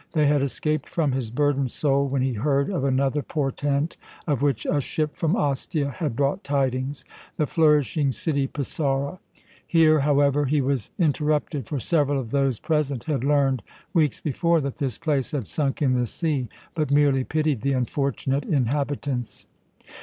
They had escaped from his burdened soul when he heard of another portent, of which a ship from Ostia had brought tidings. The flourishing city Pisaura Here, however, he was interrupted, for several of those present had learned, weeks before, that this place had sunk in the sea, but merely pitied the unfortunate inhabitants.